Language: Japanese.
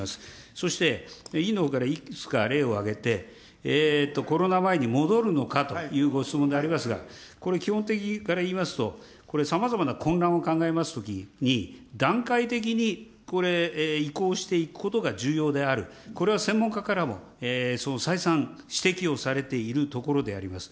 そして、委員のほうからいくつか例を挙げて、コロナ前に戻るのかというご質問でありますが、これ、基本的から言いますと、これ、さまざまな混乱を考えますときに、段階的にこれ、移行していくことが重要である、これは専門家からも再三、指摘をされているところであります。